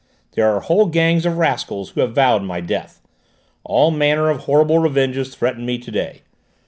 There are whole gangs of rascals who have vowed my death. All manner of horrible revenges threaten me to day.